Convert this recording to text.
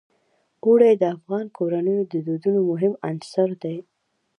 اوړي د افغان کورنیو د دودونو مهم عنصر دی.